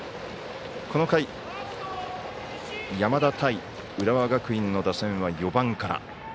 この回、山田対浦和学院の打線は４番から。